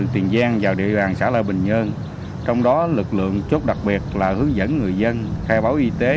trong đó lực lượng chốt đặc biệt là hướng dẫn người dân khai báo y tế